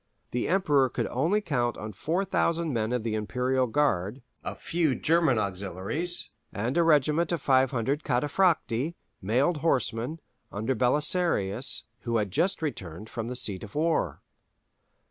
The Emperor could only count on 4,000 men of the Imperial Guard, a few German auxiliaries, and a regiment of 500 "Cataphracti," mailed horsemen, under Belisarius, who had just returned from the seat of war.